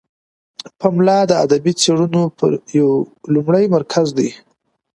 پملا د ادبي څیړنو یو لومړی مرکز دی.